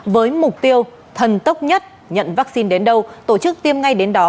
với mục tiêu thần tốc nhất nhận vaccine đến đâu tổ chức tiêm ngay đến đó